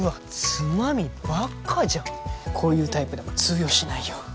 つまみばっかじゃんこういうタイプだもん通用しないよ